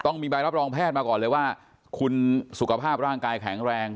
ต้องมีใบรับรองแพทย์มาก่อนเลยว่าคุณสุขภาพร่างกายแข็งแรง